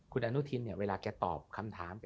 คุณอนุทินเนี่ยเวลาแกตอบคำถาม